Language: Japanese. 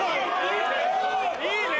いいね！